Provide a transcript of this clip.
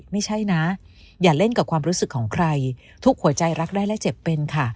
ไม่ใช่นะอย่าเล่นกับความรู้สึกของใครทุกหัวใจรักได้และเจ็บเป็นค่ะ